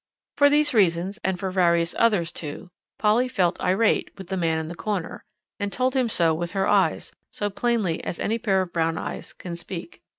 For these reasons and for various others, too Polly felt irate with the man in the corner, and told him so with her eyes, as plainly as any pair of brown eyes can speak.